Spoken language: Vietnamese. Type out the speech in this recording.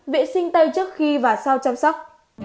vệ sinh tay trước khi và sau chăm sóc